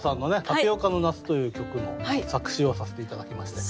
「タピオカの夏」という曲の作詞をさせて頂きまして。